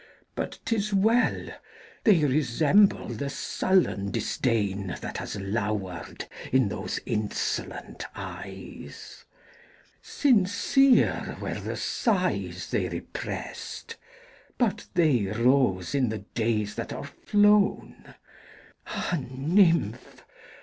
But 't is well!—they resemble the sullen disdainThat has lowered in those insolent eyes. Sincere were the sighs they represt, But they rose in the days that are flown! Ah, nymph!